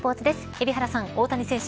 海老原さん大谷選手